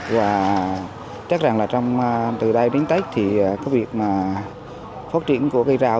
và chắc rằng là từ nay đến tết thì có việc phát triển của cây rau